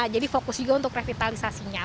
jadi fokus juga untuk revitalisasinya